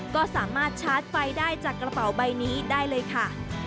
ก็สามารถชาร์จไฟได้จากกระเป๋าใบนี้ได้เลยค่ะ